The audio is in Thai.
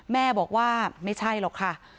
แม่บอกว่าไม่ใช่หรอกค่ะ